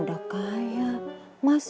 udah kaya masih aja